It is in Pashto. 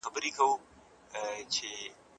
تاسي په پښتو کي د ادبي نقد او تنقید مهارت لرئ؟